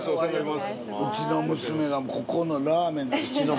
うちの娘がここのラーメンが好きやねん。